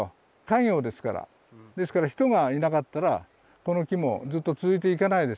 家業ですからですから人がいなかったらこの木もずっと続いていかないですから。